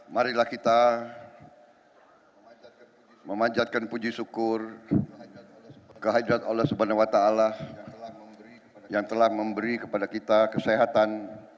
marilah kita memanjatkan puji syukur kehadirat allah swt yang telah memberi kepada kita kesehatan